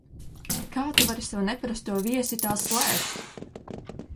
Kā tu vari savu neparasto viesi tā slēpt?